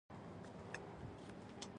يو عالُم ستړيا يې درلوده.